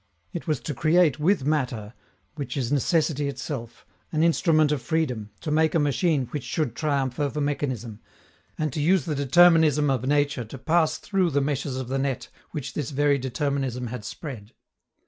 It was to create with matter, which is necessity itself, an instrument of freedom, to make a machine which should triumph over mechanism, and to use the determinism of nature to pass through the meshes of the net which this very determinism had spread.